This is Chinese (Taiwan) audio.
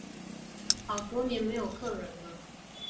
好多年沒有客人了